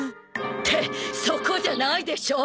ってそこじゃないでしょ！